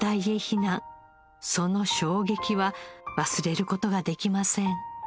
その衝撃は忘れる事ができません。